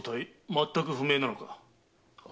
まったく不明なのか？